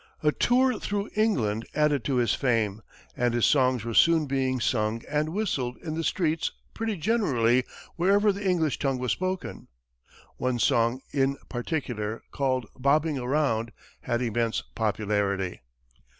A tour through England added to his fame, and his songs were soon being sung and whistled in the streets pretty generally wherever the English tongue was spoken. One song in particular, called "Bobbing Around," had immense popularity.